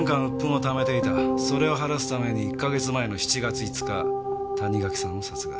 それを晴らすために１か月前の７月５日谷垣さんを殺害。